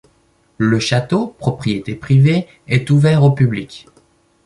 Le château, propriété privée, est ouvert au public.